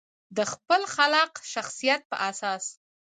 د خپل خلاق شخصیت په اساس.